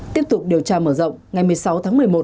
tiếp tục điều tra mở rộng ngày một mươi sáu tháng một mươi một